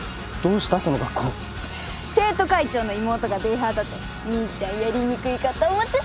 生徒会長の妹がデーハーだと兄ちゃんやりにくいかと思ってさ。